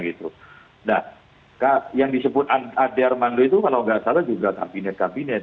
nah yang disebut ade armando itu kalau nggak salah juga kabinet kabinet